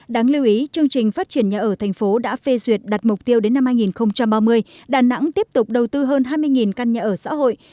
đáng lưu ý chương trình phát triển nhà ở thành phố đã phê duyệt đặt mục tiêu đến năm hai nghìn ba mươi đà nẵng tiếp tục đầu tư hơn hai mươi căn nhà ở xã hội